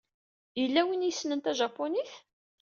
Yella win ay yessnen tajapunit?